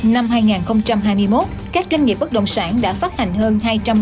năm hai nghìn hai mươi một các doanh nghiệp bất động sản đã phát hành hơn